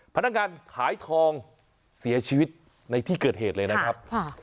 พนักงานขายทองเสียชีวิตในที่เกิดเหตุเลยนะครับ